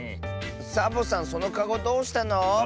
サボさんそのかごどうしたの？